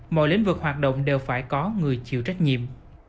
mọi lĩnh vực hoạt động đều phải có người chịu trách nhiệm